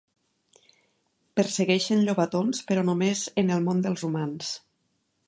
Persegueixen llobatons, però només en el món dels humans.